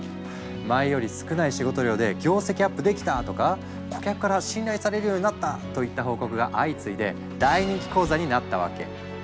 「前より少ない仕事量で業績アップできた！」とか「顧客から信頼されるようになった！」といった報告が相次いで大人気講座になったわけ。